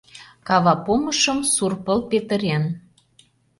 Кава помышым сур пыл петырен.